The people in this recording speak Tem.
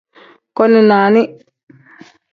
Koni nani.